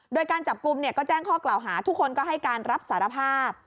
โดยการจับกลุ่มก็แจ้งข้อกล่าวหาทุกคนก็ให้การรับสารภาพ